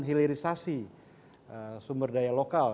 hilerisasi sumber daya lokal